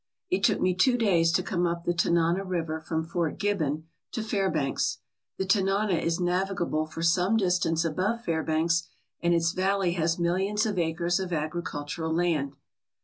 1 It took me two days to come up the Tanana River from Fort Gibbon to Fairbanks. The Tanana is navigable for some distance above Fairbanks and its valley has millions of acres of agricultural land.